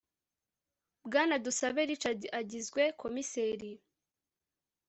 bwana tusabe richard agizwe komiseri